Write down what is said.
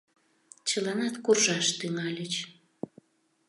Чыланат куржаш тӱҥальыч.